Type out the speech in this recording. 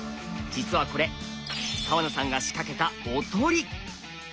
実はこれ川名さんが仕掛けたおとり。